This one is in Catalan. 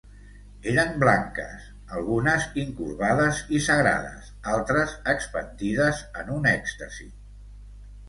Eren blanques, algunes incurvades i sagrades, altres expandides en un èxtasi.